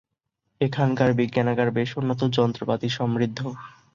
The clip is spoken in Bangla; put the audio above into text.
এখানকার বিজ্ঞানাগার বেশ উন্নত যন্ত্রপাতি সমৃদ্ধ।